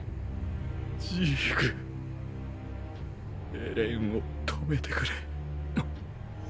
エレンを止めてくれ。